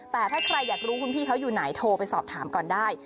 แต่ถ้าใครอยากรู้คุณพี่เขาอยู่ไหนโทรไปสอบถามก่อนได้